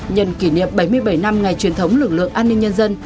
nhân kỷ niệm bảy mươi bảy năm ngày truyền thống lực lượng an ninh nhân dân